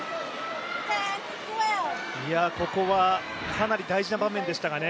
ここはかなり大事な場面でしたがね。